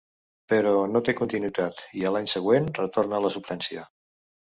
Però, no té continuïtat, i a l'any següent retorna a la suplència.